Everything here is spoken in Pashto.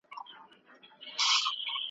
رسول الله ته د وحيو پيل په خوبونو سره سوی دی.